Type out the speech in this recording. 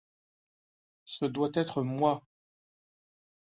Ce doit être moi!